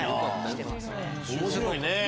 すごいな！